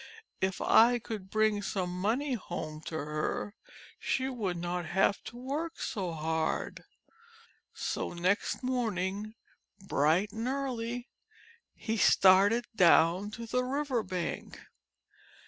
If I could bring some money home to her, she would not have to work so hard." So next morning, bright and early, he started down to the river bank.